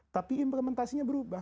tapi implementasinya berubah